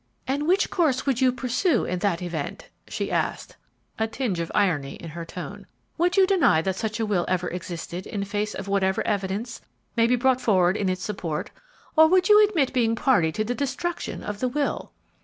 "And which course would you pursue in that event?" she asked, a tinge of irony in her tone. "Would you deny that such a will ever existed in face of whatever evidence may be brought forward in its support? or would you admit being a party to the destruction of the will?"